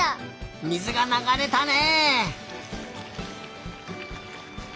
水がながれたね！